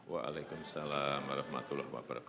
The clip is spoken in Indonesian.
waalaikumsalam warohmatullah wabarokatuh